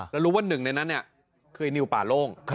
แล้วรู้ว่าหนึ่งในนั้นคือไอ้นิวป่าโล่ง